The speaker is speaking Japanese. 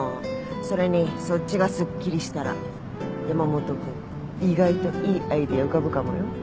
それにそっちがすっきりしたら山本君意外といいアイデア浮かぶかもよ